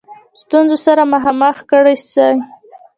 ستونزو سره مخامخ کړه سي.